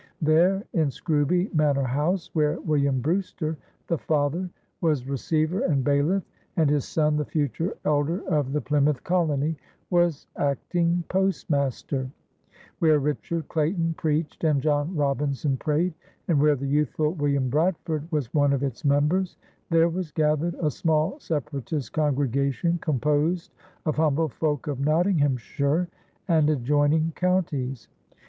There in Scrooby manor house, where William Brewster, the father, was receiver and bailiff, and his son, the future elder of the Plymouth colony, was acting postmaster; where Richard Clayton preached and John Robinson prayed; and where the youthful William Bradford was one of its members there was gathered a small Separatist congregation composed of humble folk of Nottinghamshire and adjoining counties.